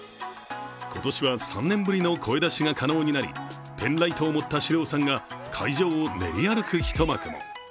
今年は３年ぶりの声出しが可能になりペンライをもった獅童さんが会場を練り歩く一幕も。